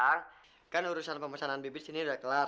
kan urusan pemesanan bibit sini udah kelar